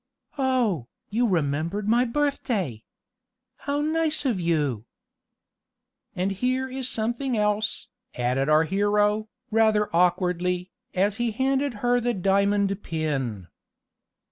"Oh, you remembered my birthday! How nice of you!" "And here is something else," added our hero, rather awkwardly, as he handed her the diamond pin.